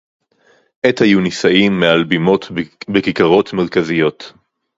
עֵת הָיוּ נִישָּׂאִים מֵעַל בִּימוֹת בְּכִיכָּרוֹת מֶרְכָּזִיּוֹת